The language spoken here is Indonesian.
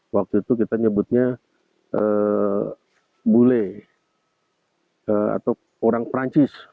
waktu itu kita nyebutnya bule atau orang perancis